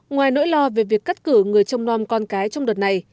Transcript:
ngoài nỗi lo về việc cắt cử người trông non con cái trong đợt này